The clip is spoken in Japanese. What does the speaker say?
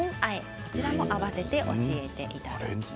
こちらも合わせてご紹介していただきます。